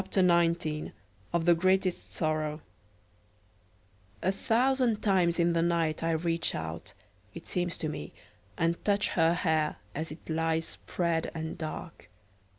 ] OF THE GREATEST SORROW A thousand times in the night I reach out (it seems to me), and touch her hair as it lies spread and dark.